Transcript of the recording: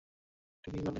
এটা কি করলি?